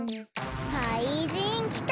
かいじんきた！